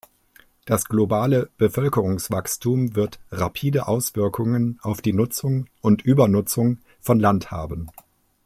Das globale Bevölkerungswachstum wird rapide Auswirkungen auf die Nutzung und Übernutzung von Land haben.